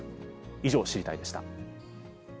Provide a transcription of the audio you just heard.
以上、知りたいッ！でした。